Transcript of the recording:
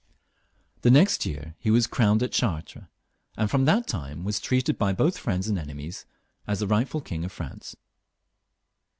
The next year he was crowned at Chartres, and from that time was treated by both friends and enemies as the rightful King of France.